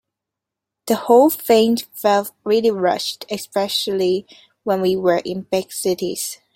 The whole thing felt really rushed, especially when we were in big cities.